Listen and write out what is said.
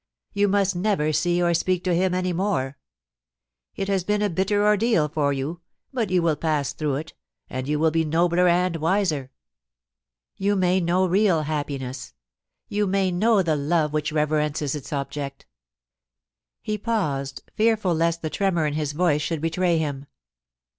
*You must never see or speak to him any more ... It has been a bitter ordeal for you, but you will pass through it, and you will be nobler and wiser. You may know real happiness. You may know the love which reverences its object' He paused, fearful lest the tremor in his voice should betray him.